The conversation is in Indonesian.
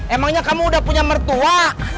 emangnya kamu udah punya mertua